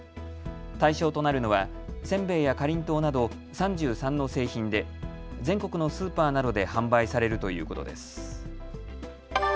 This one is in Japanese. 対象となるのは、せんべいやかりんとうなど３３の製品で全国のスーパーなどで販売されるということです。